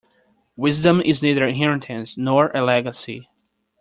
Wisdom is neither inheritance nor a legacy.